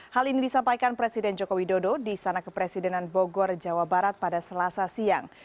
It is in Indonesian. hal ini disampaikan presiden joko widodo di sana kepresidenan bogor jawa barat pada selasa siang